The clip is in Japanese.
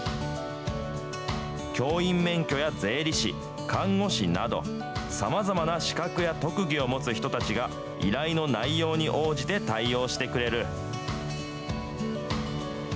教員免許や税理士、看護師など、さまざまな資格や特技を持つ人たちが、依頼の内容に応じて対応してくれる。